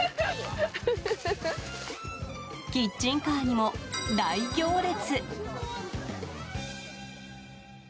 キッチンカーにも大行列。